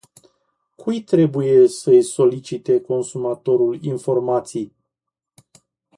Cui trebuie să-i solicite consumatorul informații?